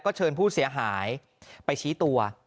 เชิญผู้เสียหายไปชี้ตัว